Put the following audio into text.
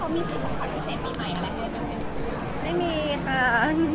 ไม่มีค่า